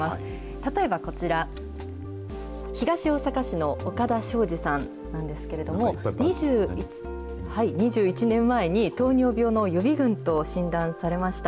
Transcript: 例えばこちら、東大阪市の岡田省二さんなんですけれども、２１年前に糖尿病の予備群と診断されました。